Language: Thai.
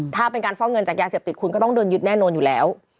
ถ้าเป็นการฟอกเงินจากยาเสพติดคุณก็ต้องโดนยึดแน่นอนอยู่แล้ว